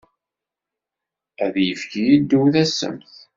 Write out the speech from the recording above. Ad d-yefk yiddew tassemt!